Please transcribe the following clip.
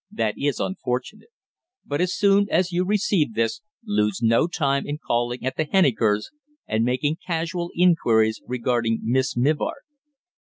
That is unfortunate. But as soon as you receive this, lose no time in calling at the Hennikers' and making casual inquiries regarding Miss Mivart.